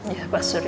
ya pak suria